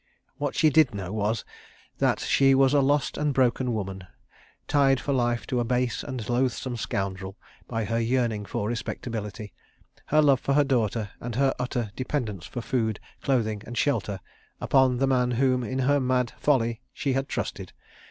What she did know was that she was a lost and broken woman, tied for life to a base and loathsome scoundrel, by her yearning for "respectability," her love for her daughter, and her utter dependence for food, clothing and shelter upon the man whom, in her mad folly, she had trusted.